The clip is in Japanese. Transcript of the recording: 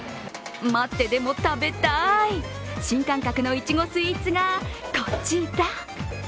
待ってでも食べたい、新感覚のいちごスイーツがこちら。